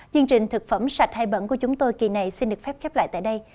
chương trình thực phẩm sạch hay bẩn của chúng tôi kỳ này xin được phép khép lại tại đây